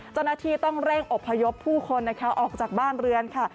จนนาทีต้องเร่งอบพยพผู้คนออกจากบ้านเรือนค่ะ